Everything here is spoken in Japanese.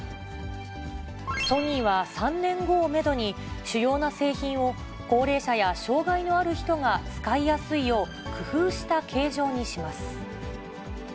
ソニーは３年後をメドに、主要な製品を高齢者や障がいのある人が使いやすいよう、工夫した形状にします。